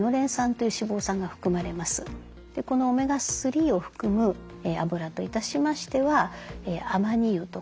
このオメガ３を含むあぶらといたしましてはあまに油とかえ